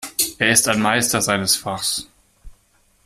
Er ist ein Meister seines Fachs.